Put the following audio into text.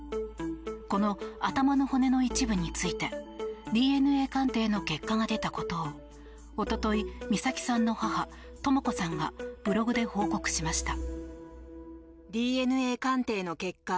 この頭の骨の一部についてＤＮＡ鑑定の結果が出たことを一昨日、美咲さんの母とも子さんがブログで報告しました。